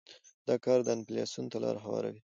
دا کار انفلاسیون ته لار هواروي.